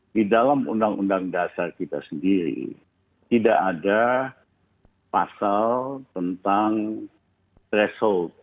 di dalam undang undang dasar kita sendiri tidak ada pasal tentang threshold